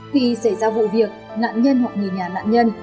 khi xảy ra vụ việc nạn nhân hoặc người nhà nạn nhân